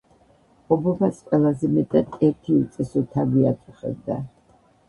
ობობას ყველაზე მეტად ერთი უწესო თაგვი აწუხებდა.